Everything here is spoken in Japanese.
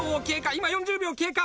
今４０秒経過。